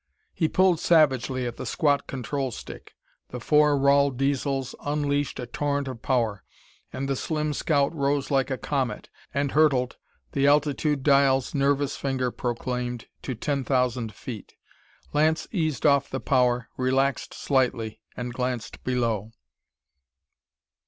He pulled savagely at the squat control stick; the four Rahl Diesels unleashed a torrent of power; and the slim scout rose like a comet, and hurtled, the altitude dial's nervous finger proclaimed, to ten thousand feet. Lance eased off the power, relaxed slightly, and glanced below.